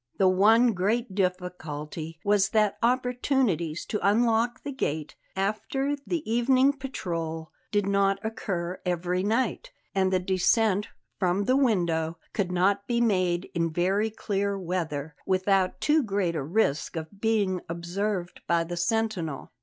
The one great difficulty was that opportunities to unlock the gate after the evening patrol did not occur every night, and the descent from the window could not be made in very clear weather without too great a risk of being observed by the sentinel.